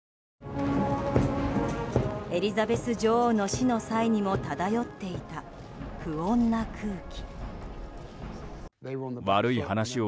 エリザベス女王の死の際にも漂っていた不穏な空気。